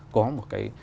có một cái